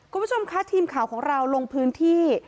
คุณผู้ชมคะทีมข่าวของเราลงพื้นที่